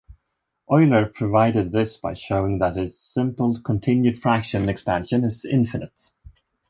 Euler proved this by showing that its simple continued fraction expansion is infinite.